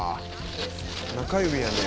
「中指やね」